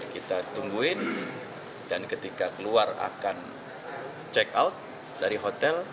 kita tungguin dan ketika keluar akan check out dari hotel